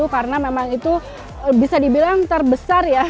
karena memang itu bisa dibilang terbesar ya